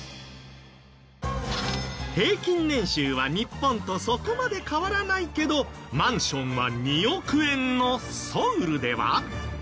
平均年収は日本とそこまで変わらないけどマンションは２億円のソウルでは。